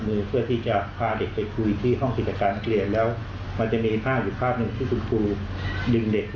เหมือนรุนแรง